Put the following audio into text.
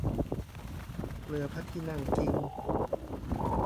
เรือพระที่นั่งกิ่ง